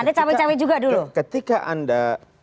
anda cawi cawi juga dulu ketika anda